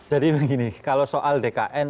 jadi begini kalau soal dkn